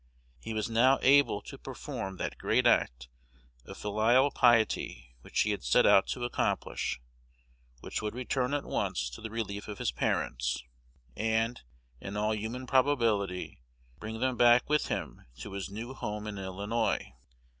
He was now able to perform that great act of filial piety which he set out to accomplish, would return at once to the relief of his parents, and, in all human probability, bring them back with him to his new home in Illinois.